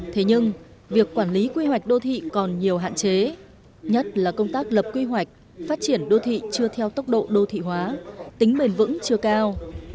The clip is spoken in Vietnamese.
thế nhưng việc quản lý quy hoạch đô thị còn nhiều hạn chế nhất là công tác lập quy hoạch phát triển đô thị chưa theo tốc độ đô thị hóa tính bền vững chưa cao